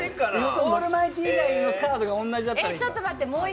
オールマイティー以外のカードが同じだったらいいの。